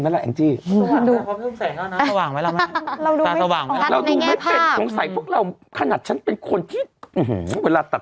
ธามทำที่ของคนดูในฐานะที่แบบติดตามชัดเจนไหมล่ะ